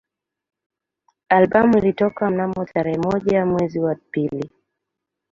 Albamu ilitoka mnamo tarehe moja mwezi wa pili